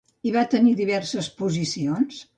Hi va tenir diverses posicions?